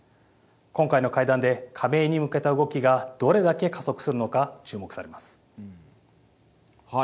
今回の会談で加盟に向けた動きがどれだけ加速するのか注目されます。